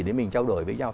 để mình trao đổi với nhau